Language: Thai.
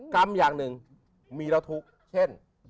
กรรมอย่างหนึ่งมีเราทุกข์เช่น